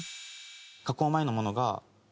加工前のものが。